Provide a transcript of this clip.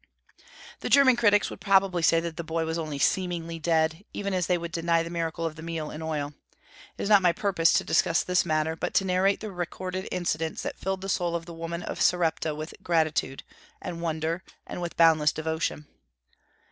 The German critics would probably say that the boy was only seemingly dead, even as they would deny the miracle of the meal and oil. It is not my purpose to discuss this matter, but to narrate the recorded incidents that filled the soul of the woman of Sarepta with gratitude, with wonder, and with boundless devotion.